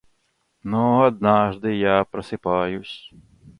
Но однажды я просыпаюсь...